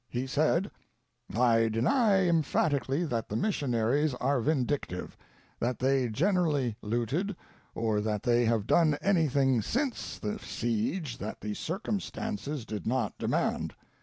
He s aid: " 'I deny emphatically that the missionaries are vindictive, that they generally looted, or that they have done anything since the siege that the circumstances did not demand.